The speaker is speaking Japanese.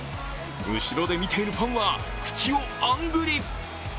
後ろで見ているファンは口をあんぐり。